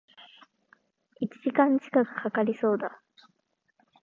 一時間近く掛かりそうだ